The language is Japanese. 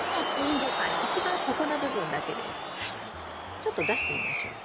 ちょっと出してみましょう。